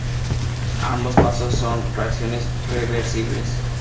Ambos pasos son reacciones reversibles.